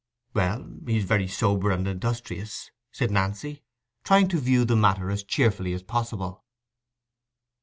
"Well, he's very sober and industrious," said Nancy, trying to view the matter as cheerfully as possible.